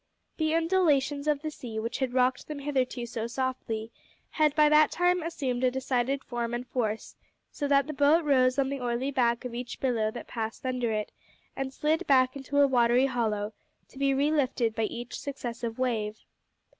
The undulations of the sea, which had rocked them hitherto so softly, had by that time assumed a decided form and force, so that the boat rose on the oily back of each billow that passed under it, and slid back into a watery hollow, to be relifted by each successive wave.